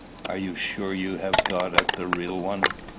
Are you sure you have got at the real one?"